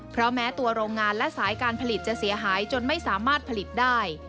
เพราะแม้ตัวโรงงานและสายการผลิตจะเสียหายจนไม่สามารถผลิตได้